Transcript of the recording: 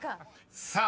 ［さあ